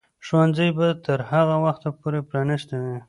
ښوونځي به تر هغه وخته پورې پرانیستي وي.